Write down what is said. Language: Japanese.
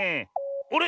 あれ？